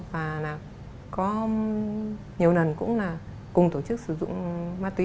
và là có nhiều lần cũng là cùng tổ chức sử dụng ma túy